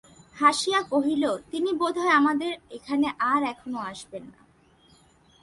হাসিয়া কহিল, তিনি বোধ হয় আমাদের এখানে আর কখনো আসবেন না?